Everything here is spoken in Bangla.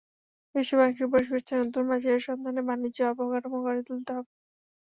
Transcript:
বিশ্বব্যাংক সুপারিশ করেছে, নতুন বাজারের সন্ধানে বাণিজ্য অবকাঠামো গড়ে তুলতে হবে।